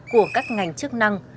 của các ngành chức năng